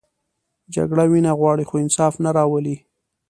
جګړه وینه غواړي، خو انصاف نه راولي